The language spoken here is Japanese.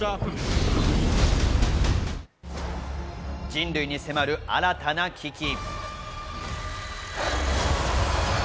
人類に迫る新たな危機。